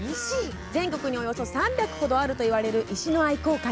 全国におよそ３００ほどあるといわれる石の愛好会。